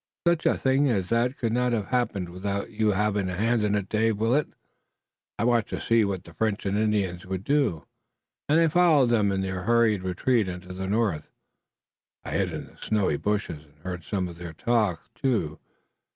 Such a thing as that could not have happened without you having a hand in it, Dave Willet. I watched to see what the French and Indians would do, and I followed them in their hurried retreat into the north. I hid in the snowy bushes, and heard some of their talk, too.